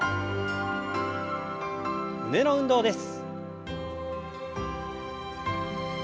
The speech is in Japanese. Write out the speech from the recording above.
胸の運動です。